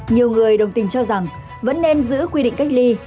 nhiều người đồng tình cho rằng vẫn nên giữ quy định cách ly